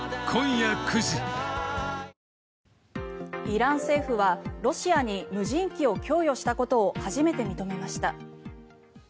イラン政府はロシアに無人機を供与したことを初めて認めました。